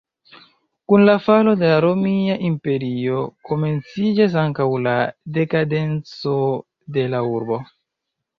Kun la falo de la Romia Imperio, komenciĝas ankaŭ la dekadenco de la urbo.